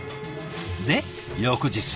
で翌日。